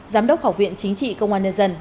giám đốc học viện chính trị công an nhân dân